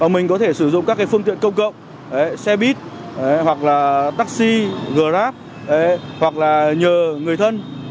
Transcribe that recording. mình có thể sử dụng các phương tiện công cộng xe buýt hoặc là taxi grab hoặc là nhờ người thân